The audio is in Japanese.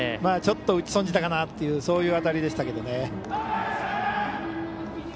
ちょっと打ち損じたかなというそういう当たりでしたけどね。